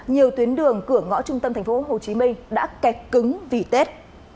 nhiều tuyến đường cửa ngõ trung tâm tp hcm đã kẹt cứng vì tết